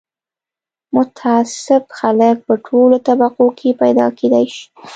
متعصب خلک په ټولو طبقو کې پیدا کېدای شي